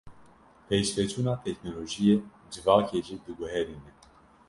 Pêşveçûna teknolojiyê civakê jî diguherîne.